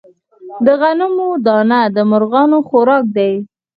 د غنمو دانه د مرغانو خوراک دی.